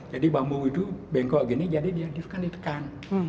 jadi bambu itu bengkok gini jadi diatifkan ditekan